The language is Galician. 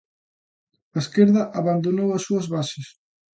A esquerda abandonou as súas bases.